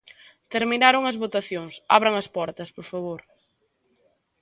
Terminaron as votacións, abran as portas, por favor.